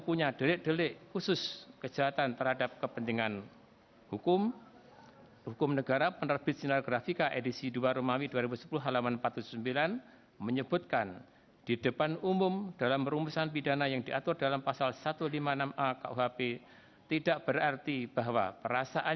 kepulauan seribu kepulauan seribuouts